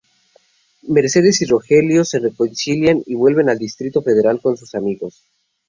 Mercedes y Rogelio se reconcilian y vuelven al Distrito Federal con sus amigos.